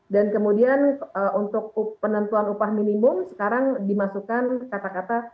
dan kemudian untuk penentuan upah minimum sekarang dimasukkan kata kata